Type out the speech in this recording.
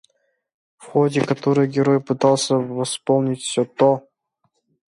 в ходе которой герой пытался восполнить все то